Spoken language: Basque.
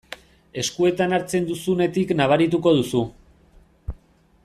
Eskuetan hartzen duzunetik nabarituko duzu.